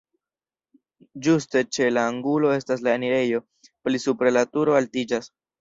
Ĝuste ĉe la angulo estas la enirejo, pli supre la turo altiĝas.